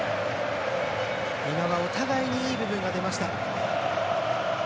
お互いにいい部分が出ました。